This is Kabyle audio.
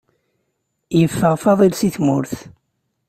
Yeffeɣ Faḍil si tmurt.